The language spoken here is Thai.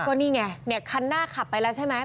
ก็นี่ไงเนี่ยคันหน้าขับไปแล้วใช่ไหม